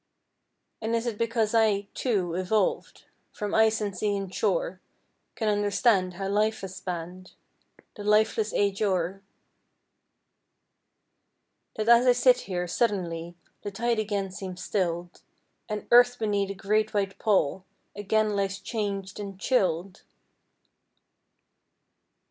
And is it because I, too, evolved From ice and sea and shore, Can understand How life has spanned The lifeless ages o'er, That as I sit here, suddenly The tide again seems stilled And earth beneath a great white pall Again lies changed and chilled?